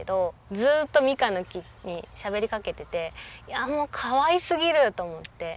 ずーっとみかんの木にしゃべりかけててもうかわいすぎると思って。